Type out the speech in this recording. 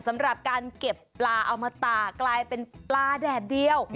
สำหรับการเก็บปลาเอามาตากกลายเป็นปลาแดดเดียว